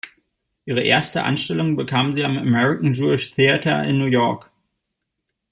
Ihre erste Anstellung bekam sie am "American Jewish Theater" in New York.